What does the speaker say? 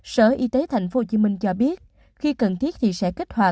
sở y tế tp hcm cho biết khi cần thiết thì sẽ kích hoạt